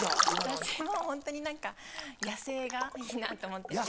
私ホントに何か野性がいいなと思ってて。